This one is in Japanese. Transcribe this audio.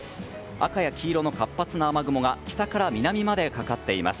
赤や黄色の活発な雨雲が北から南までかかっています。